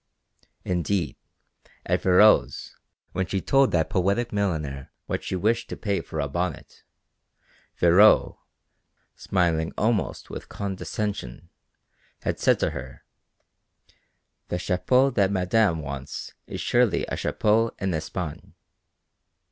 Indeed at Virot's when she told that poetic milliner what she wished to pay for a bonnet, Virot, smiling almost with condescension, had said to her, "The chapeau that madame wants is surely a chapeau en Espagne."